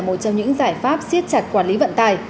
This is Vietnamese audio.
một trong những giải pháp siết chặt quản lý vận tải